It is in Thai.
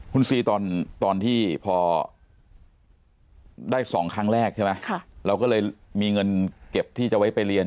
คุณซีตอนที่พอได้๒ครั้งแรกใช่ไหมเราก็เลยมีเงินเก็บที่จะไว้ไปเรียน